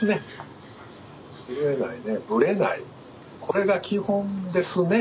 これが基本ですね